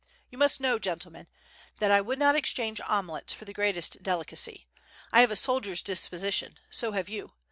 You must know, gentlemen, that I would not exchange omelets for the greatest delicacy. I have a soldier's disposition, so have you.